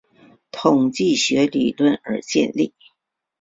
统计学习理论而建立。